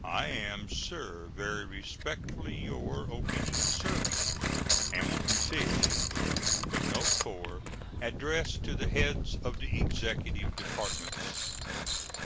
I am, sir, very respectfully, your obedient servant, HAMILTON FISH. [Footnote 4: Addressed to the heads of the Executive Departments.